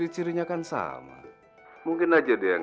kalian saya pecat